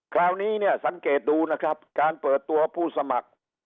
คราวนี้เนี่ยสังเกตดูนะครับการเปิดตัวผู้สมัคร